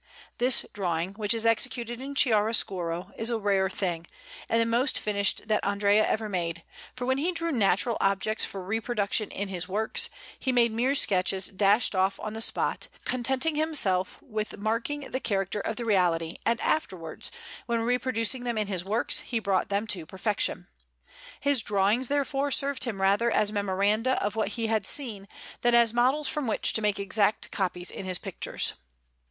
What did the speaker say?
This drawing, which is executed in chiaroscuro, is a rare thing, and the most finished that Andrea ever made; for when he drew natural objects for reproduction in his works, he made mere sketches dashed off on the spot, contenting himself with marking the character of the reality; and afterwards, when reproducing them in his works, he brought them to perfection. His drawings, therefore, served him rather as memoranda of what he had seen than as models from which to make exact copies in his pictures.